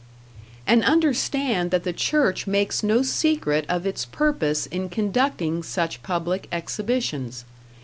And understand that the church makes no secret of its purpose in conducting such public exhibitions.